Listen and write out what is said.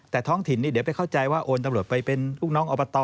แต่ท้องถิ่นนี่เดี๋ยวไปเข้าใจว่าโอนตำรวจไปเป็นลูกน้องอบต